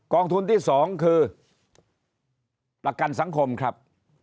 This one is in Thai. องทุนที่๒คือประกันสังคมครับ